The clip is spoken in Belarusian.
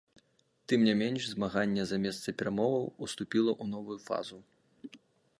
Тым не менш, змаганне за месца перамоваў уступіла ў новую фазу.